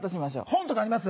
本とかあります？